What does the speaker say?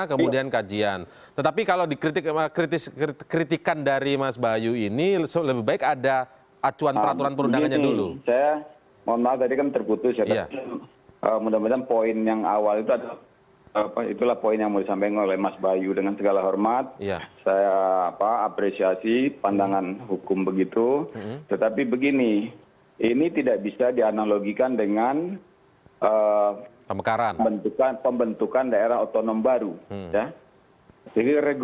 kemudian kajian sudah selesai sudah tahapan kesana kajiannya bagus